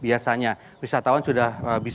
wisatawan sudah bisa datang kembali ke candi perambanan